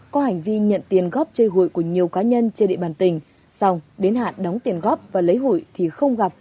có hành vi nhận tiền góp chơi hủy của nhiều cá nhân chơi địa bàn tỉnh xong đến hạn đóng tiền góp và lấy hủy thì không gặp